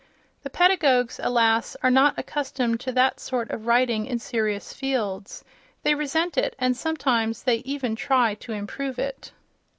The pedagogues, alas, are not accustomed to that sort of writing in serious fields. They resent it, and sometimes they even try to improve it.